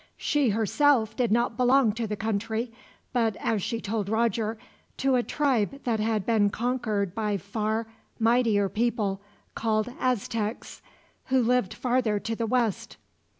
She herself did not belong to the country, but, as she told Roger, to a tribe that had been conquered by far mightier people, called Aztecs, who lived farther to the west.